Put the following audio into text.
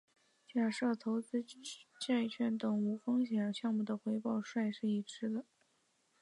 假设投资债券等无风险项目的回报率是已知的。